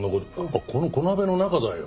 あっこの小鍋の中だよ。